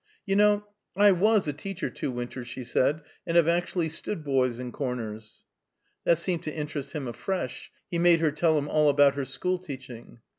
"You know I was a teacher two winters," she said, "and have actually stood boys in corners." That seemed to interest him afresh; he made her tell him all about her school teaching.